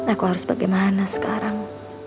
aku harus bagaimana sekarang